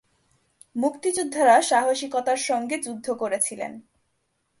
মুক্তিযোদ্ধারা সাহসিকতার সঙ্গে যুদ্ধ করছিলেন।